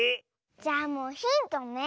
じゃあもうヒントね。